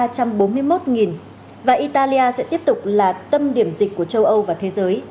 trong khi số ca mắc hơn là một trăm bốn mươi một và italia sẽ tiếp tục là tâm điểm dịch của châu âu và thế giới